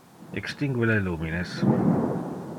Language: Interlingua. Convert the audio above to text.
Extingue le lumines.